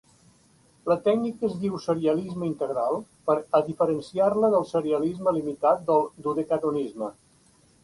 La tècnica es diu serialisme integral per a diferenciar-la del serialisme limitat del dodecatonisme.